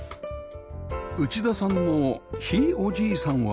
内田さんのひいおじいさんは建具師